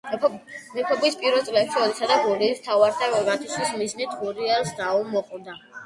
მეფობის პირველ წლებში, ოდიშისა და გურიის მთავართა გათიშვის მიზნით, გურიელს დაუმოყვრდა.